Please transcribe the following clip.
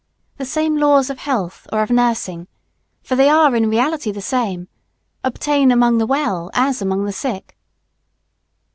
The same laws of health or of nursing, for they are in reality the same, obtain among the well as among the sick.